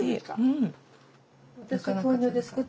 うん。